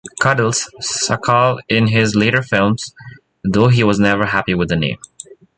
"Cuddles" Sakall in his later films, though he was never happy with the name.